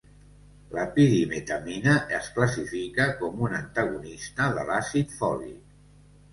La pirimetamina es classifica com un antagonista de l'àcid fòlic.